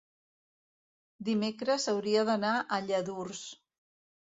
dimecres hauria d'anar a Lladurs.